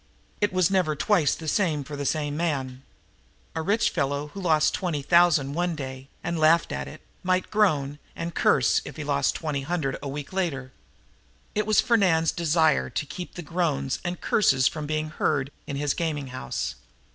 It was never twice the same for the same man. A rich fellow, who lost twenty thousand one day and laughed at it, might groan and curse if he lost twenty hundred a week later. It was Fernand's desire to keep those groans and curses from being heard in his gaming house.